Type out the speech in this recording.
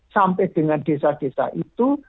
sampai dengan desa desa itu